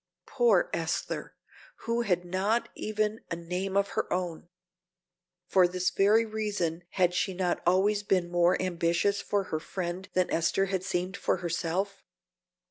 Poor Esther, who had not even a name of her own! For this very reason had she not always been more ambitious for her friend than Esther had seemed for herself?